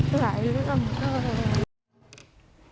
สุขายด้วยกัน